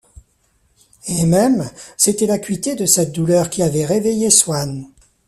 Et même, c’était l’acuité de cette douleur qui avait réveillé Swann.